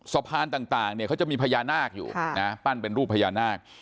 สะพานต่างเนี่ยเขาจะมีพญานาคอยู่นะปั้นเป็นรูปพญานาค